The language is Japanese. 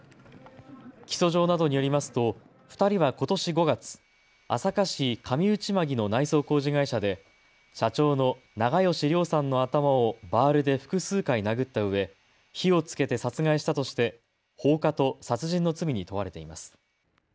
起訴状などによりますと２人はことし５月、朝霞市上内間木の内装工事会社で社長の長葭良さんの頭をバールで複数回殴ったうえ、火をつけて殺害したとして放火と殺人の罪に問われています。